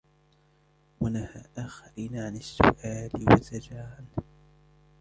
وَنَهَى آخَرِينَ عَنْ السُّؤَالِ وَزَجَرَ عَنْهُ